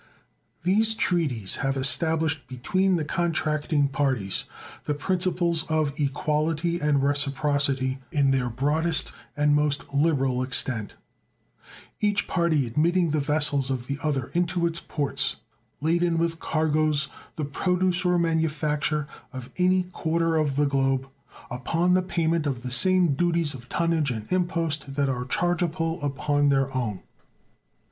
These treaties have established between the contracting parties the principles of equality and reciprocity in their broadest and most liberal extent, each party admitting the vessels of the other into its ports, laden with cargoes the produce or manufacture of any quarter of the globe, upon the payment of the same duties of tonnage and impost that are chargeable upon their own.